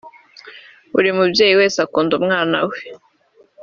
Buri mubyeyi wese akunda umwana we